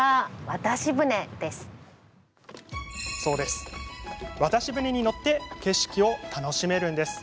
そう、渡し船に乗って景色を楽しめるんです。